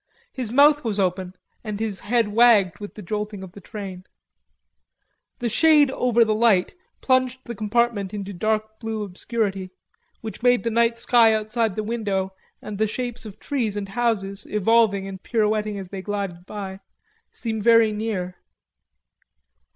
His mouth was open, and his head wagged with the jolting of the train. The shade over the light plunged the compartment in dark blue obscurity, which made the night sky outside the window and the shapes of trees and houses, evolving and pirouetting as they glided by, seem very near.